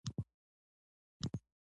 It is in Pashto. دوهم برخه د انجنیری تخصصي مضامین دي.